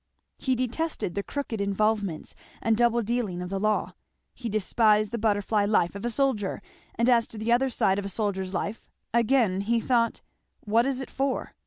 He detested the crooked involvments and double dealing of the law. He despised the butterfly life of a soldier; and as to the other side of a soldier's life, again he thought, what is it for?